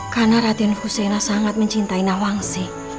karena raden fusena sangat mencintai nawang sih